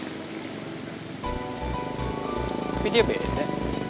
tapi dia beda